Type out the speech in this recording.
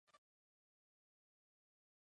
اوړه د جمعې ورځې نان ته خوند ورکوي